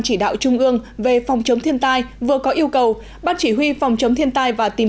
chỉ đạo trung ương về phòng chống thiên tai vừa có yêu cầu ban chỉ huy phòng chống thiên tai và tìm